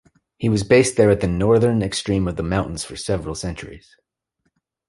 He was based there at the northern extreme of the mountains for several centuries.